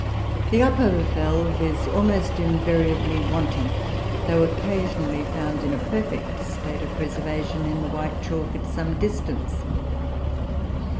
"The upper valve is almost invariably wanting, though occasionally found in a perfect state of preservation in the white chalk at some distance.